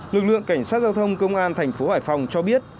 lực lượng cảnh sát giao thông công an thành phố hải phòng cho biết